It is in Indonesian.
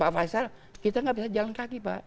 pak faisal kita nggak bisa jalan kaki pak